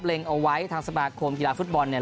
เอาไว้ทางสมาคมกีฬาฟุตบอลเนี่ย